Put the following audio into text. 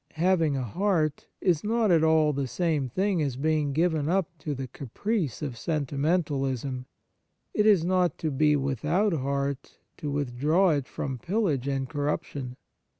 Having a heart is not at all the same thing as being given up to the caprice of senti mentalism; it is not to be without heart to withdraw it from pillage and corruption.